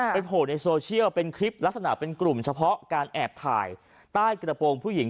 โผล่ในโซเชียลเป็นคลิปลักษณะเป็นกลุ่มเฉพาะการแอบถ่ายใต้กระโปรงผู้หญิง